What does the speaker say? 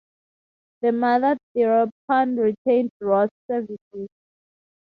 The mother thereupon retained Ross's services.